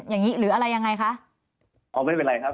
อย่างงี้หรืออะไรยังไงคะอ๋อไม่เป็นไรครับ